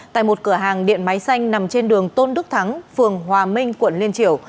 tại một cửa hàng điện máy xanh nằm trên đường tôn đức thắng phường hòa minh quận liên triều